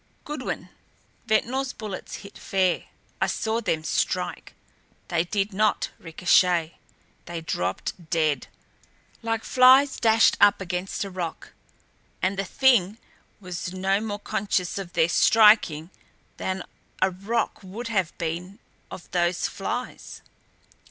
"Goodwin Ventnor's bullets hit fair. I saw them strike. They did not ricochet they dropped dead. Like flies dashed up against a rock and the Thing was no more conscious of their striking than a rock would have been of those flies."